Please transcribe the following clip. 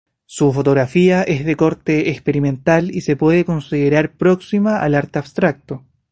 Su fotografía es de corte experimental y se puede considerar próxima al arte abstracto.